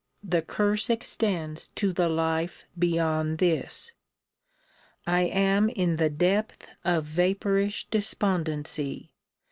] the curse extends to the life beyond this. I am in the depth of vapourish despondency.